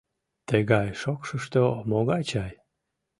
Тыгай шокшышто могай чай!..